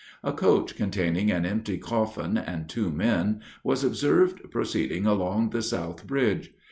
A coach containing an empty coffin and two men, was observed proceeding along the south bridge.